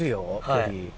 はい。